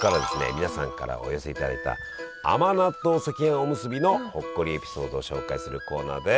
皆さんからお寄せいただいた甘納豆赤飯おむすびのほっこりエピソードを紹介するコーナーです！